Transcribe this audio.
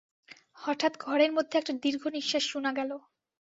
হঠাৎ ঘরের মধ্যে একটা দীর্ঘনিশ্বাস শুনা গেল।